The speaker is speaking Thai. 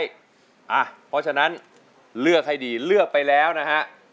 เพราะฉะนั้นเลือกให้ดีเลือกไปแล้วนะฮะ